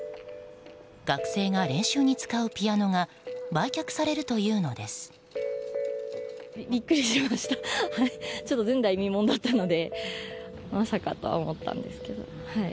学生が練習に使うピアノが売却されるというのです。